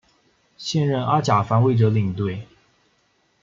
现任阿甲防卫者领队。